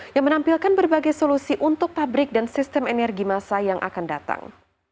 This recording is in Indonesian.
yang menampilkan berbagai solusi untuk pabrik dan sistem energi masa yang akan datang